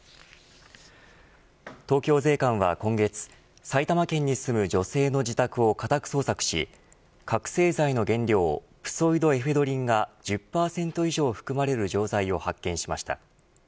東京税関は今月埼玉県に住む女性の自宅を家宅捜索し覚せい剤の原料プソイドエフェドリンが１０％以上含まれる錠剤を発見しました。